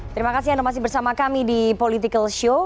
terima kasih anda masih bersama kami di political show